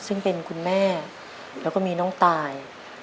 ซึ่งเป็นคุณแม่แล้วก็มีน้องตาย